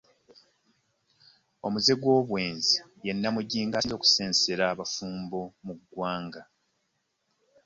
Omuze gw'obwenzi ye Nnamujinga asinze okusensera abafumbo mu ggwanga